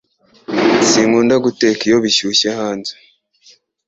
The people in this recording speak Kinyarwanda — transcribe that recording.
Sinkunda guteka iyo bishyushye hanze